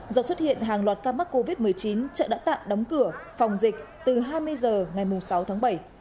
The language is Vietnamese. do xuất hiện hàng loạt ca mắc covid một mươi chín chợ đã tạm đóng cửa phòng dịch từ hai mươi h ngày sáu tháng bảy